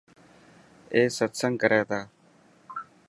اي ستسنگ ڪري تا.